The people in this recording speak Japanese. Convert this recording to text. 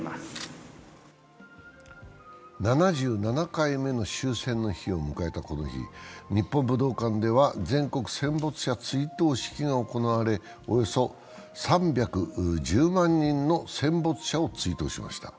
７７回目の終戦の日を迎えたこの日日本武道館では全国戦没者追悼式が行われ、およそ３１０万人の戦没者を追悼しました。